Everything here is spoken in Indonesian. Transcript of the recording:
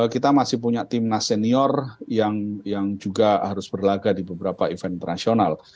kita masih punya tim nas senior yang juga harus berlagak di beberapa event internasional